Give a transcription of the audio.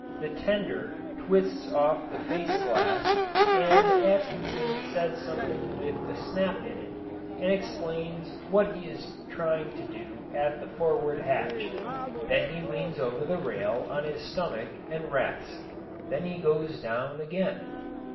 The "tender" twists off the face glass, and Atkinson says something with a snap in it, and explains what he is trying to do at the forward hatch. Then he leans over the rail on his stomach and rests. Then he goes down again.